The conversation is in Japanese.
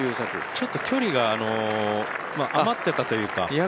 ちょっと距離が余ってたというか。